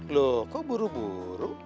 lo kok buru buru